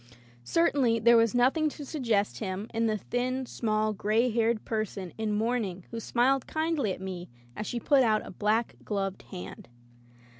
Certainly there was nothing to suggest him in the thin, small, gray haired person in mourning who smiled kindly at me as she put out a black gloved hand.